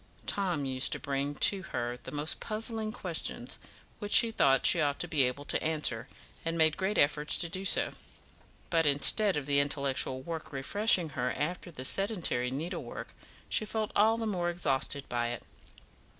Tom used to bring to her the most puzzling questions, which she thought she ought to be able to answer, and made great efforts to do so; but instead of the intellectual work refreshing her after the sedentary needlework, she felt all the more exhausted by it.